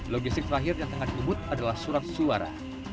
logistik terakhir yang tengah diebut adalah surat suara